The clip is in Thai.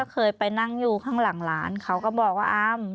เราเคยไปนั่งอยู่ข้างหลังร้านเขาก็บอกว่า